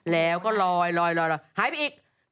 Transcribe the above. แล้วก็ลอยหายไปอีก